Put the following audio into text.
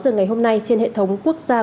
ngày hôm nay trên hệ thống quốc gia